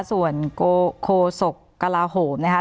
ส่วนโคศกกระลาโหมนะคะ